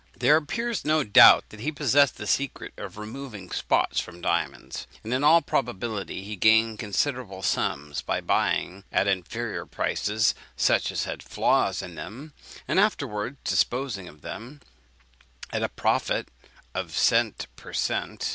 There appears no doubt that he possessed the secret of removing spots from diamonds; and in all probability he gained considerable sums by buying at inferior prices such as had flaws in them, and afterwards disposing of them at a profit of cent per cent.